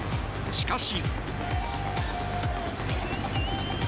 しかし。